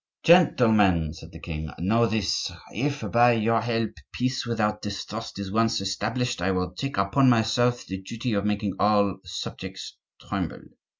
"Gentlemen," said the king, "know this, if by your help peace without distrust is once established, I will take upon myself the duty of making all subjects tremble.